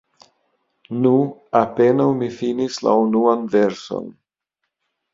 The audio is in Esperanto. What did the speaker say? Nu, apenaŭ mi finis la unuan verson.